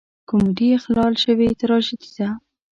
کمیډي اخلال شوې تراژیدي ده.